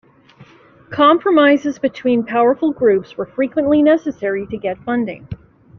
Compromises between powerful groups were frequently necessary to get funding.